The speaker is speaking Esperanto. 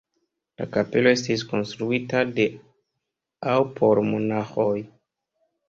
La kapelo estis konstruita de aŭ por monaĥoj.